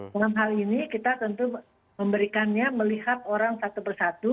dalam hal ini kita tentu memberikannya melihat orang satu persatu